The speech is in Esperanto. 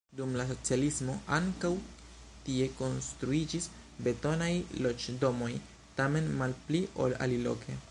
Dum la socialismo ankaŭ tie konstruiĝis betonaj loĝdomoj, tamen malpli, ol aliloke.